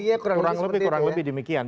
ya kurang lebih demikian